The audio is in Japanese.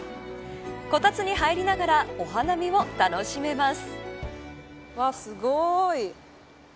こたつに入りながらお花見を楽しめます。